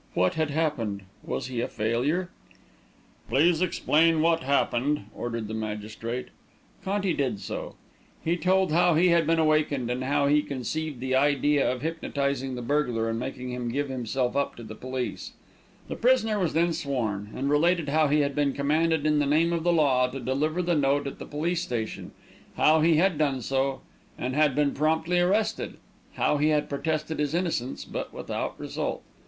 What had happened? Was he a failure? "Please explain what happened," ordered the magistrate. Conti did so. He told how he had been awakened, and how he conceived the idea of hypnotising the burglar and making him give himself up to the police. The prisoner was then sworn and related how he had been commanded in the name of the law to deliver the note at the police station; how he had done so, and had been promptly arrested; how he had protested his innocence, but without result.